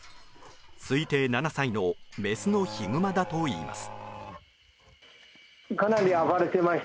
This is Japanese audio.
推定７歳のメスのヒグマだといいます。